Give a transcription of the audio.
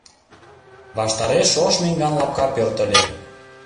Ваштареш ош меҥган лапка пӧрт ыле.